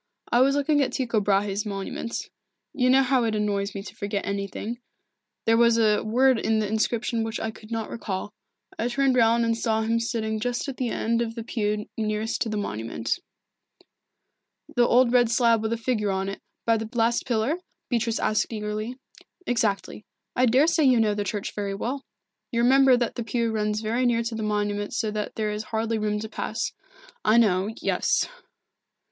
"I was looking at Tycho Brahe's monument. You know how it annoys me to forget anything there was a word in the inscription which I could not recall. I turned round and saw him sitting just at the end of the pew nearest to the monument." "The old red slab with a figure on it, by the last pillar?" Beatrice asked eagerly. "Exactly. I daresay you know the church very well. You remember that the pew runs very near to the monument so that there is hardly room to pass." "I know yes."